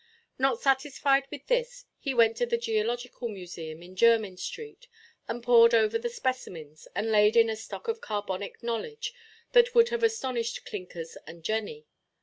Not satisfied with this, he went to the Geological Museum, in Jermyn–street, and pored over the specimens, and laid in a stock of carbonic knowledge that would have astonished Clinkers and Jenny.